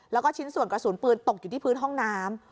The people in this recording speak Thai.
แล้วก็ชิ้นส่วนกระสุนปืนตกอยู่ที่พื้นห้องน้ำ